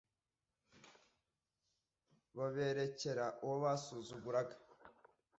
babererekera uwo basuzuguraga